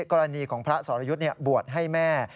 กรณีของพระสรยุทธ์บวชให้แม่